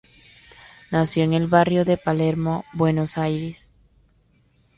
Nació en el barrio de Palermo, Buenos Aires.